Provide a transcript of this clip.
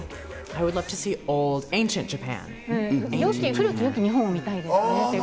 古きよき日本を見たいです。